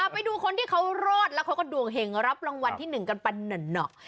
ไปดูคนที่เขารอดแล้วเขาก็ดวงเห็งรับรางวัลที่๑กันไปหน่อ